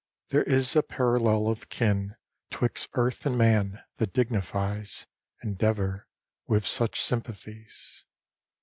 There is a parallel of kin 'Twixt earth and man, that dignifies Endeavor with such sympathies.